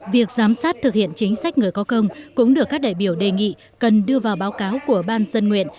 việc giám sát thực hiện chính sách người có công cũng được các đại biểu đề nghị cần đưa vào báo cáo của ban dân nguyện